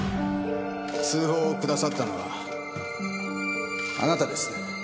通報をくださったのはあなたですね？